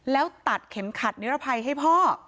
แล้วตัดเข็มขัดนิรภัยให้พ่อ